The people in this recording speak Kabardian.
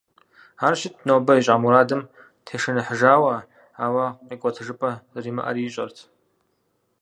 Ар щытт нобэ ищӏа мурадым тешыныхьыжауэ, ауэ къикӏуэтыжыпӏэ зэримыӏэри ищӏэрт.